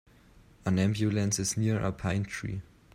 An ambulance is near a pine tree.